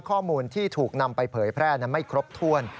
ข้อมูลที่ถูกนำไปเผยแพร่ไม่ครบถ้วน